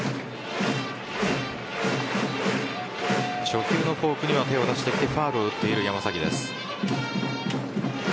初球のフォークには手を出していってファウルを打っている山崎です。